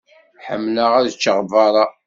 Ḥemmleɣ ad ččeɣ berra.